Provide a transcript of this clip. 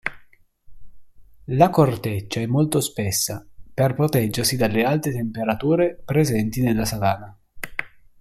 La corteccia è molto spessa per proteggersi dalle alte temperature presenti nella savana.